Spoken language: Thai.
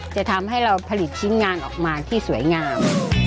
จะทำให้เราผลิตชิ้นงานออกมาที่สวยงาม